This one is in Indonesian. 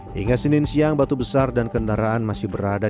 hingga senin siang batu besar dan kendaraan masih berada